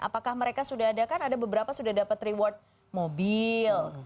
apakah mereka sudah ada kan ada beberapa sudah dapat reward mobil